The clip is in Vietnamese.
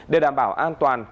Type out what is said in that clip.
để đảm bảo an toàn